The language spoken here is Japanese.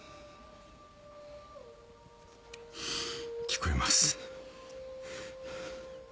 聞こえます。